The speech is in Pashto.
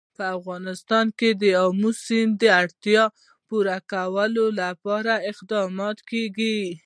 په افغانستان کې د آمو سیند د اړتیاوو پوره کولو لپاره اقدامات کېږي.